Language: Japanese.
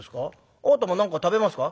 あなたも何か食べますか？」。